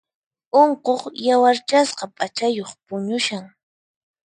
Unquq yawarchasqa p'achayuq puñushan.